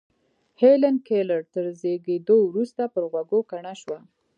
هېلېن کېلر تر زېږېدو وروسته پر غوږو کڼه شوه